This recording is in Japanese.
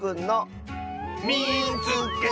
「みいつけた！」。